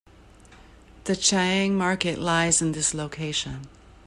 The Chang'an Market lies in this location.